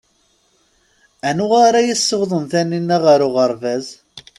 Anwa ara yessiwḍen Taninna ɣer uɣerbaz?